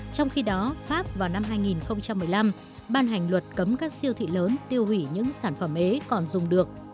trong khi đó pháp vào năm hai nghìn một mươi năm ban hành luật cấm các siêu thị lớn tiêu hủy những sản phẩm ấy còn dùng được